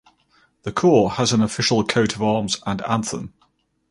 The corps has an official coat of arms and anthem.